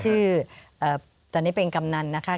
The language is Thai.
ที่ตอนนี้เป็นกำนันนะคะ